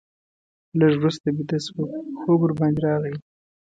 لږ وروسته بیده شوم، خوب ورباندې راغی.